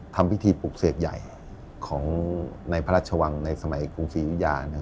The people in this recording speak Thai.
ทำพิธีปลุกเสกใหญ่ของในพระราชวังในสมัยกรุงศรียุยา